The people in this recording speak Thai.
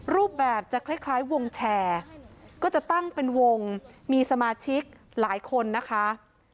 รูปแบบจะคล้ายวงแชร์ก็จะตั้งเป็นวงมีสมาชิกหลายคนนะคะ